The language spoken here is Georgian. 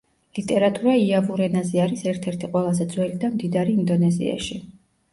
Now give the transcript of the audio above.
ლიტერატურა იავურ ენაზე არის ერთ-ერთი ყველაზე ძველი და მდიდარი ინდონეზიაში.